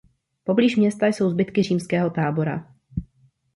Poblíž města jsou zbytky římského tábora.